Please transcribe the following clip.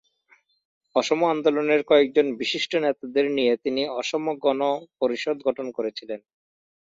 অসম আন্দোলনের কয়েকজন বিশিষ্ট নেতাদের নিয়ে তিনি অসম গণ পরিষদ গঠন করেছিলেন।